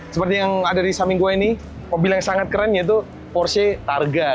seperti yang ada di samping gua ini mobil yang sangat keren yaitu porsche targa